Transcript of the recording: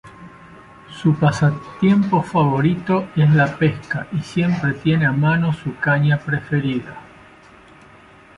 Su pasatiempo favorito es la pesca, y siempre tiene a mano su caña preferida.